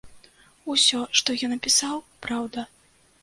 Усё, што я напісаў, праўда.